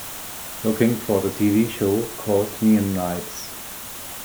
Looking for the TV show called Neon Nights